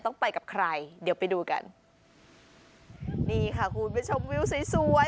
ต้องไปกับใครเดี๋ยวไปดูกันนี่ค่ะคุณผู้ชมวิวสวยสวย